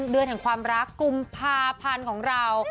เดือนแห่งความรักกุมภาพันธ์ของเรา